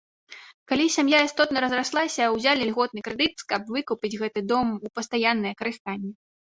Калі сям'я істотна разраслася, узялі льготны крэдыт, каб выкупіць гэты дом у пастаяннае карыстанне.